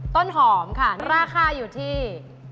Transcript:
ต้นหอมค่ะราคาอยู่ที่